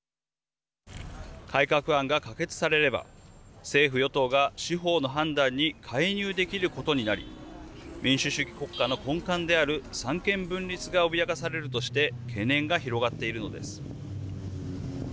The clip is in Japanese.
改革案が可決されれば政府・与党が司法の判断に介入できることになり民主主義国家の根幹である三権分立が脅かされるとして懸念が広がっているのです。